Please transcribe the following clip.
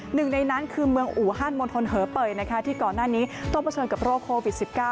หนึ่งในนั้นคือเมืองอูฮันมณฑลเหอเปยที่ก่อนหน้านี้ต้องเผชิญกับโรคโควิด๑๙